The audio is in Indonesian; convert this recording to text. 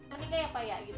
ini kayak payah gitu kan